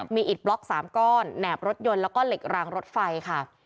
มีอิดบล็อก๓ก้อนแหนบรถยนต์แล้วก็เหล็กรางรถไฟค่ะ